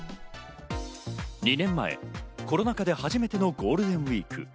２年前、コロナ禍で初めてのゴールデンウイーク。